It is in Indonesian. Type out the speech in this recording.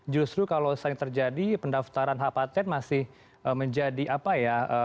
justru kalau sering terjadi pendaftaran hapaten masih menjadi apa ya